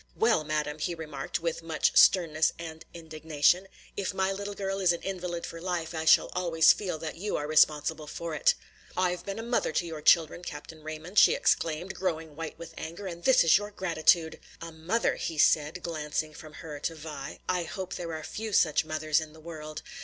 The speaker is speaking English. "Well, madam," he remarked with much sternness and indignation, "if my little girl is an invalid for life, I shall always feel that you are responsible for it." "I've been a mother to your children, Capt. Raymond," she exclaimed, growing white with anger, "and this is your gratitude!" "A mother!" he said, glancing from her to Vi, "I hope there are few such mothers in the world.